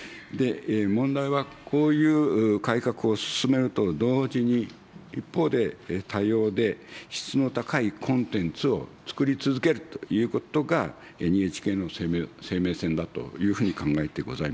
問題はこういう改革を進めると同時に、一方で多様で質の高いコンテンツを作り続けるということが、ＮＨＫの生命線だというふうに考えてございます。